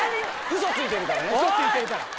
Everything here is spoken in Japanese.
ウソついてるから。